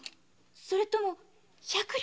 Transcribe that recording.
それとも百両？